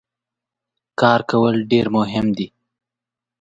کار کول ډیر مهم دي.